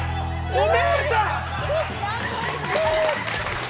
お姉さん！